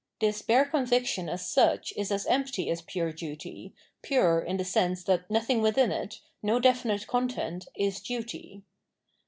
This bare conviction as sucb is as empty as pure duty, pure in tbe sense that nothing witbin it, no definite content, is duty.